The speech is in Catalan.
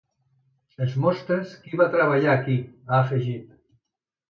“Els mostrem qui va treballar aquí”, ha afegit.